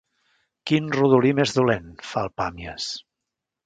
Quin rodolí més dolent! –fa el Pàmies.